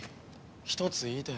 ひとつ言いたい。